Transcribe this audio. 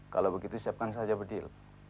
kalau begitu siapkan saja bedil